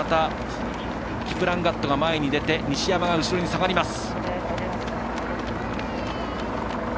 キプランガットが前に出て西山が後ろに下がります。